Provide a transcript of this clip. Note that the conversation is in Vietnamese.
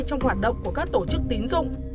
trong hoạt động của các tổ chức tín dụng